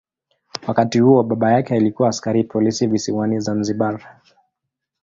Wakati huo baba yake alikuwa askari polisi visiwani Zanzibar.